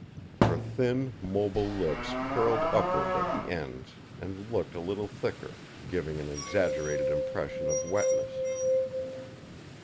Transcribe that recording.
Her thin, mobile lips curled upward at the ends and looked a little thicker, giving an exaggerated impression of wetness.